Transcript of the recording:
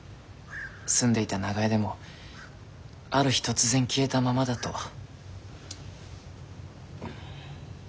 住んでいた長屋でもある日突然消えたままだと。